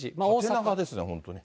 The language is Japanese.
縦長ですね、本当ね。